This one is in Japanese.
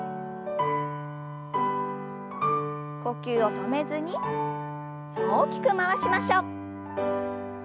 呼吸を止めずに大きく回しましょう。